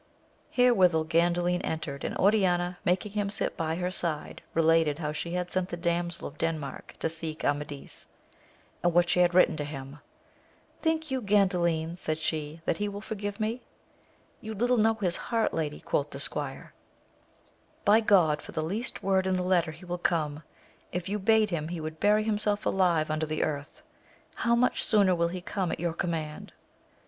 Herewithal Gandalin entered, and Oriana making him sit by her side, related how she had sent the Damsel of Denmark to seek Amadis, AMADIS OF GAUL, 11 and what she had written to him : Think you, Ganda lin, said she, that he will forgive me] You little know his heart, lady, quoth the squire ; by Grod for the least word in the letter he will come : if you bade him he would bury himself alive under the earth, — how much sooner will he come at your command